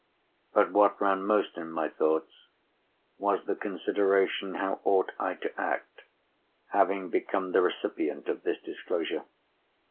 But, what ran most in my thoughts was the consideration how ought I to act, having become the recipient of this disclosure?